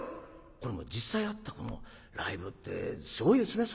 これ実際あったこのライブってすごいですね